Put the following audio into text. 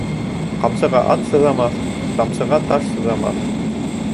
Ҡамсыға ат сыҙамаҫ, тамсыға таш сыҙамаҫ.